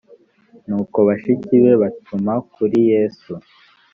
nuko bashiki be batuma kuri yesu